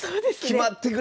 決まってくれ！